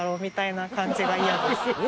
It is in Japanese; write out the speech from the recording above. みたいな感じが嫌です。